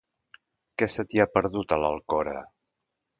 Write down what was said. Què se t'hi ha perdut, a l'Alcora?